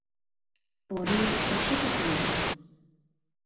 পরে এসে তোকে নিয়ে যাবো।